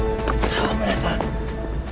澤村さん！